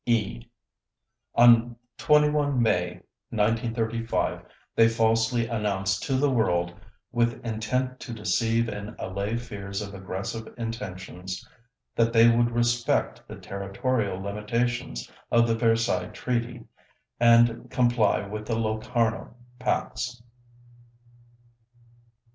(e) On 21 May 1935, they falsely announced to the world, with intent to deceive and allay fears of aggressive intentions, that they would respect the territorial limitations of the Versailles Treaty and comply with the Locarno Pacts.